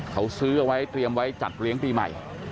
เขาซื้อเอาไว้เตรียมไว้จัดเลี้ยงปีใหม่